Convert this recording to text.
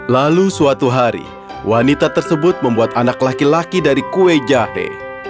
lalu suatu hari wanita tersebut membuat anak laki laki dari kue jahe